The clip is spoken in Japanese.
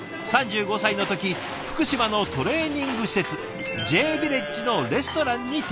３５歳の時福島のトレーニング施設Ｊヴィレッジのレストランに転職。